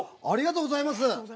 ありがとうございます。